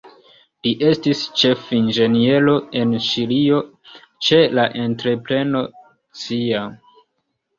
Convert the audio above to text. Li estis ĉefinĝeniero en Ĉilio ĉe la entrepreno Cia.